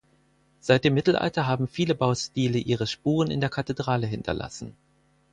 Seit dem Mittelalter haben viele Baustile ihre Spuren in der Kathedrale hinterlassen.